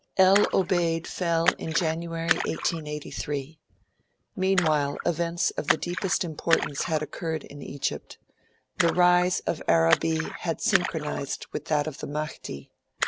El Obeid fell in January, 1883. Meanwhile, events of the deepest importance had occurred in Egypt. The rise of Arabi had synchronised with that of the Mahdi.